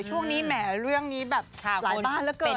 ช่วงนี้แหมเรื่องนี้แบบหลายบ้านเหลือเกินนะ